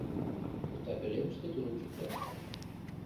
Пуста пӧлемыште тулым чӱкта.